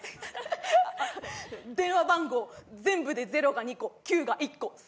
電話番号全部で「０」が２個「９」が１個「３」が３個で。